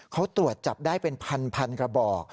เขาตรวจจับได้เป็นพันกระบอก